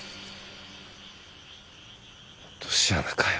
落とし穴かよ。